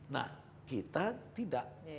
nah kita tidak